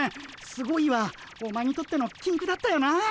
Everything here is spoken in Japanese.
「すごい」はお前にとってのきんくだったよな。